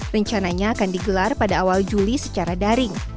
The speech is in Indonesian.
rencananya akan digelar pada awal juli secara daring